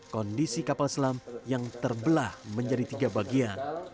kondisi kapal selam yang terbelah menjadi tiga bagian